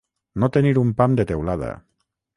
No tenir un pam de teulada.